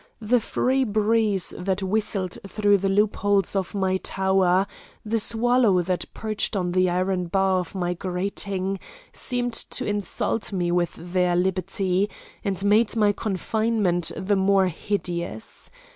The free breeze that whistled through the loop holes of my tower, the swallow that perched on the iron bar of my grating, seemed to insult me with their liberty, and made my confinement the more hideous.